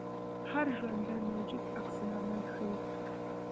هر ژوندی موجود عکس العمل ښيي